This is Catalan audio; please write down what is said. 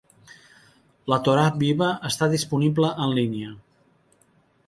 "La Torah viva" està disponible en línia.